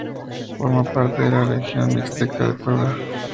Forma parte de la región Mixteca de Puebla.